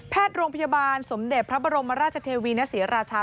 โรงพยาบาลสมเด็จพระบรมราชเทวีณศรีราชา